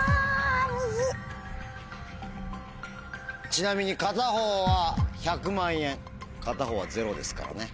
ちなみに片方は１００万円片方はゼロですからね。